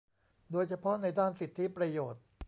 โดยเฉพาะในด้านสิทธิประโยชน์